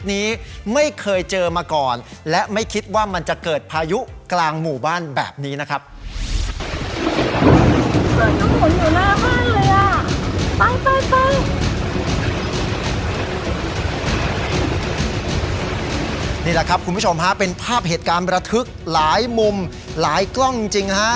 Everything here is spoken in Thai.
นี่แหละครับคุณผู้ชมฮะเป็นภาพเหตุการณ์ประทึกหลายมุมหลายกล้องจริงฮะ